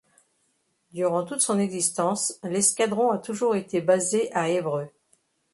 Durant toute son existence, l'escadron a toujours été basé à Evreux.